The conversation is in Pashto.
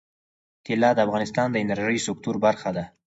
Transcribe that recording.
طلا د افغانستان د انرژۍ سکتور برخه ده.